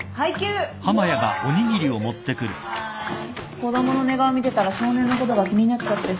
子供の寝顔見てたら少年のことが気になっちゃってさ。